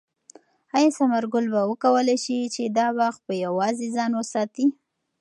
آیا ثمر ګل به وکولای شي چې دا باغ په یوازې ځان وساتي؟